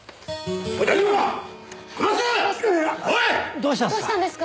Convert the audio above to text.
どうしたんですか？